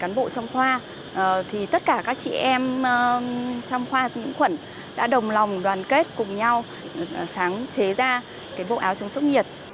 cán bộ trong khoa thì tất cả các chị em trong khoa nhiễm khuẩn đã đồng lòng đoàn kết cùng nhau sáng chế ra cái bộ áo chống sốc nhiệt